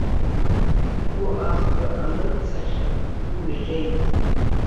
Угәы ахәра анырҵахьан, имӷьеит.